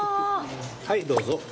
はいどうぞ。